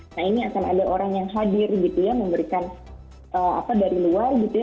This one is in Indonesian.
nah ini akan ada orang yang hadir gitu ya memberikan apa dari luar gitu ya